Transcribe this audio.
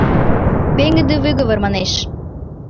Пеҥгыде выговор, манеш.